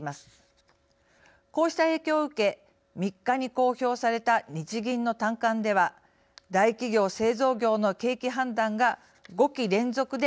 こうした影響を受け３日に公表された日銀の短観では大企業製造業の景気判断が５期連続で悪化しました。